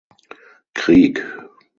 Krieg !